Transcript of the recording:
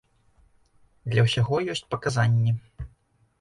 Для ўсяго ёсць паказанні.